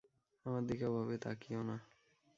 আমার দিকে ওভাবে তাকিয়ো না।